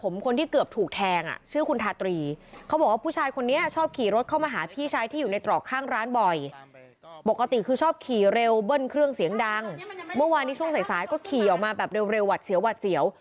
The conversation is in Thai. เมื่อวานในช่วงใสก็ขี่ออกมาแบบเร็วหวัดเสียว